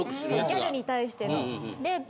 ギャルに対しての。